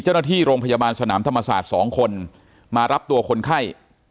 เจ้าหน้าที่โรงพยาบาลสนามธรรมศาสตร์๒คนมารับตัวคนไข้